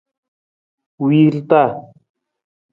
Wiirata.